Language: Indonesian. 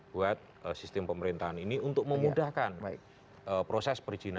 buat sistem pemerintahan ini untuk memudahkan proses perizinan